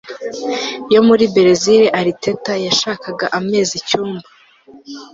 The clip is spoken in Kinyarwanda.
yo muri Berezile Ariteta yashakaga amezi Icyumba